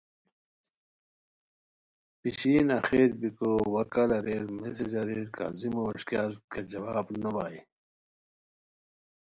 پیشین آخر بیکو وا کال اریر، میسج اریر کاظمو ویݰکیار کیہ جواب نوہائے